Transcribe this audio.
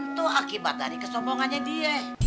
itu akibat dari kesombongannya dia